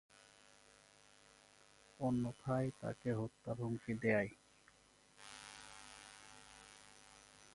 অন্যথায় তাকে হত্যা করার হুমকি দেয়।